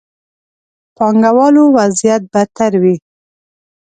پانګه والو وضعيت بدتر وي.